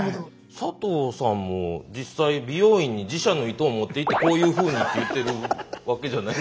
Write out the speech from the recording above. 佐藤さんも実際美容院に自社の糸を持っていってこういうふうにって言ってるわけじゃないですか？